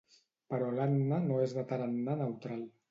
Però l'Anna no és de tarannà neutral.